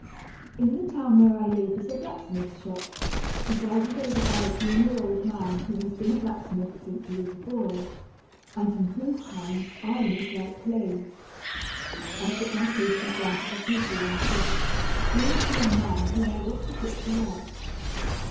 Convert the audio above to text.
In the town where I live is a blacksmith shop, presided over by a genial old man who has been a blacksmith since he was a boy, and in whose hands iron is like clay. I took my patient down to the smithy and said, "Here is a young man whom I want to put to work.